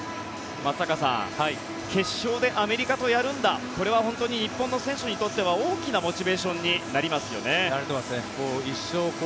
松坂さん決勝でアメリカとやるんだこれは本当に日本の選手にとっては大きなモチベーションになりますよね。